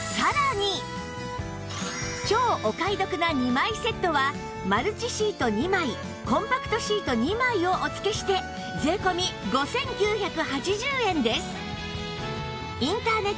超お買い得な２枚セットはマルチシート２枚コンパクトシート２枚をおつけして税込５９８０円です